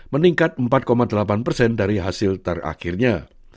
meningkat empat delapan persen dari hasil terakhirnya